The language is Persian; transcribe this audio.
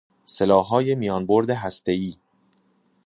سلاحهای میان برد هستهای